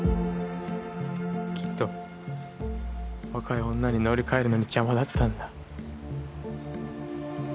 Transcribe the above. きっと若い女に乗り換えるのに邪魔だったんだ。